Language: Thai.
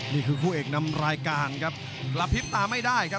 นี่คือคู่เอกนำรายการครับกระพริบตาไม่ได้ครับ